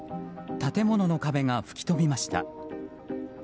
建物の壁が吹き飛びました。